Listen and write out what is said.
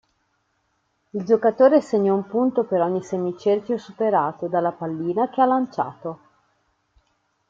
Il giocatore segna un punto per ogni semicerchio superato dalla pallina che ha lanciato.